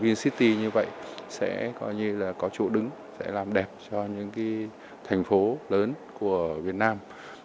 vinh city như vậy sẽ có chỗ đứng sẽ làm đẹp cho những thành phố lớn của việt nam